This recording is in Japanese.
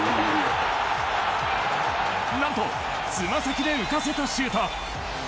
何とつま先で浮かせたシュート。